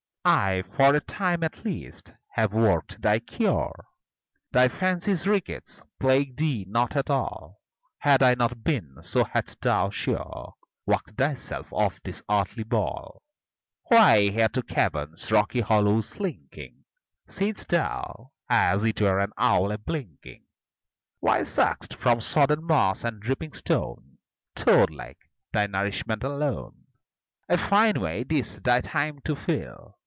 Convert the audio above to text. I, for a time, at least, have worked thy cure; Thy fancy's rickets plague thee not at all: Had I not been, so hadst thou, sure, Walked thyself off this earthly ball Why here to caverns, rocky hollows slinking, Sit'st thou, as 'twere an owl a blinking? Why suck'st, from sodden moss and dripping stone, Toad like, thy nourishment alone? A fine way, this, thy time to fill!